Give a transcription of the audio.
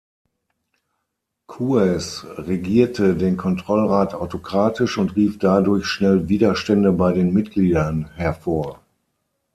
Coues „regierte“ den Kontrollrat autokratisch und rief dadurch schnell Widerstände bei den Mitgliedern hervor.